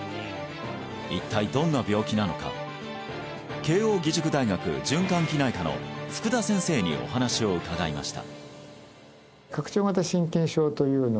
一体どんな病気なのか慶應義塾大学循環器内科の福田先生にお話を伺いました